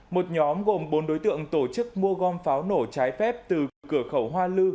một nhóm gồm bốn đối tượng tổ chức mua gom pháo nổ trái phép từ cửa khẩu hoa lư